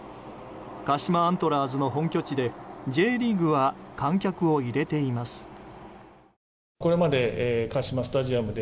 鹿島アントラーズの本拠地でＪリーグは観客を入れています。